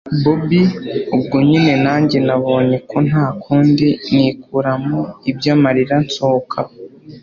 bobi ubwo nyine nanjye nabonye ko ntakundi, nikuramo ibyamarira , nsohoka aho